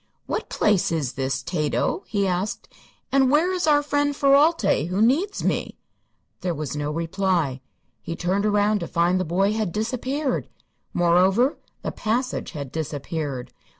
"What place is this, Tato?" he asked; "and where is our friend Ferralti, who needs me?" There was no reply. He turned around to find the boy had disappeared. Moreover, the passage had disappeared.